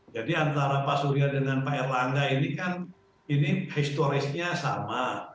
jadi antara pak surya dan pak erlangga ini kan historisnya sama